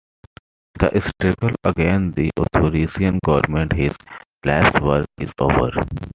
The struggle against the authoritarian government, his life's work, is over.